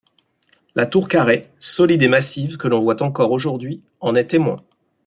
La tour carrée, solide et massive que l’on voit encore aujourd’hui en est témoin.